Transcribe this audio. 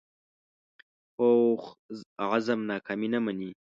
پوخ عزم ناکامي نه مني